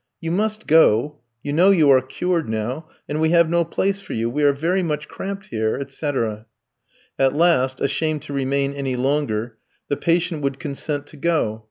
"You must go, you know you are cured now, and we have no place for you, we are very much cramped here, etc." At last, ashamed to remain any longer, the patient would consent to go.